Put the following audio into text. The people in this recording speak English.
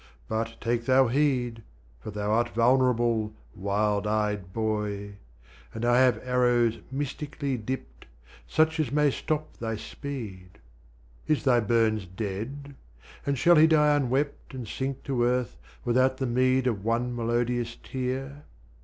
But take thou heed: For thou art vulnerable, wild eyed boy, And I have arrows mystically dipt, Such as may stop thy speed. Is thy Burns dead? And shall he die unwept, and sink to earth 'Without the meed of one melodious tear?'